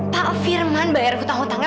pak firman bayar hutang hutangnya